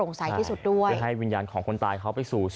คือ